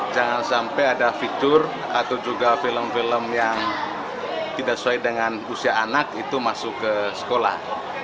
jangan sampai ada fitur atau juga film film yang tidak sesuai dengan usia anak itu masuk ke sekolah